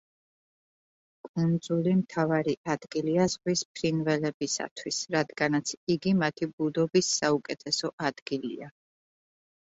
კუნძული მთავარი ადგილია ზღვის ფრინველებისათვის, რადგანაც იგი მათი ბუდობის საუკეთესო ადგილია.